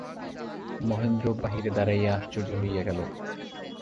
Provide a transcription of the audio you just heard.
মহেন্দ্র বাহিরে দাঁড়াইয়া আশ্চর্য হইয়া গেল।